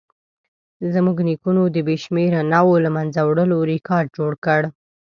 زموږ نیکونو د بې شمېره نوعو له منځه وړلو ریکارډ جوړ کړ.